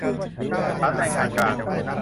ศาลแรงงานกลาง